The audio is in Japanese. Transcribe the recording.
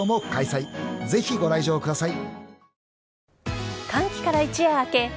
［ぜひご来場ください］